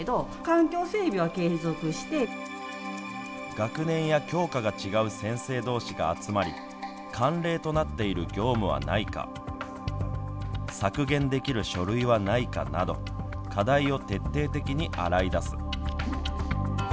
学年や教科が違う先生どうしが集まり慣例となっている業務はないか削減できる書類はないかなど課題を徹底的に洗い出す。